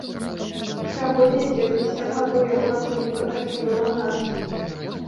Сягоння, дзеткі, сем гадоў, як матуленька пакінула нас.